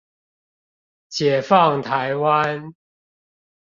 解放台灣